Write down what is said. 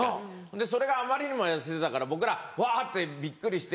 でそれがあまりにも痩せてたから僕ら「うわ」ってびっくりして。